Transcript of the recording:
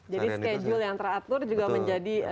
jadi schedule yang teratur juga menjadi kunci ya